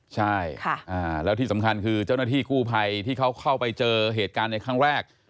ใช่แล้วที่สำคัญคือเจ้าหน้าที่กู้ภัยที่เขาเข้าไปเจอเหตุการณ์ในครั้งแรก